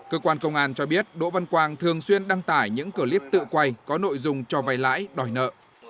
cơ quan công an cho biết đỗ văn quang thường xuyên đăng tải những clip tự quay có nội dung cho vay lãi đòi nợ